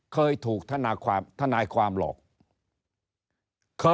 เคยถูกทนายความหลอก